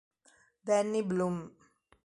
Danny Blum